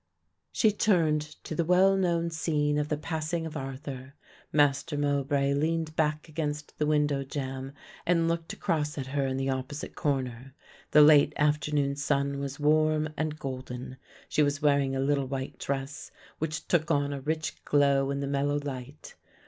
She turned to the well known scene of the passing of Arthur. Master Mowbray leaned back against the window jamb and looked across at her in the opposite corner. The late afternoon sun was warm and golden. She was wearing a little white dress, which took on a rich glow in the mellow light.